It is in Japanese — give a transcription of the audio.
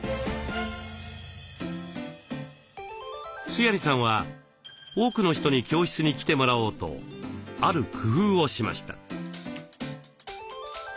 須鑓さんは多くの人に教室に来てもらおうとある工夫をしました。